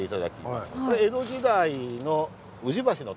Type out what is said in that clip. これ江戸時代の宇治橋のたもと。